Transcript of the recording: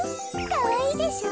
かわいいでしょ。